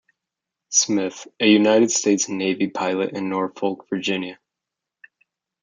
Smith, a United States Navy pilot, in Norfolk, Virginia.